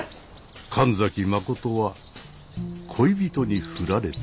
神崎真は恋人に振られた。